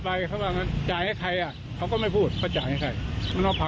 ตรงนี้ตรงนี้มันก็ช่วงตี๓นะ